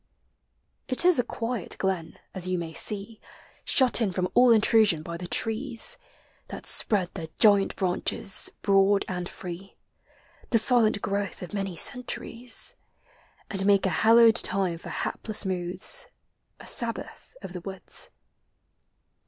It is a quiet glen, as you may see, Shut in from all intrusion by the trees, That spread their giant branches, broad and free, The silent growth of many centuries; And make a hallowed time for hapless moods, A sabbath of the woods.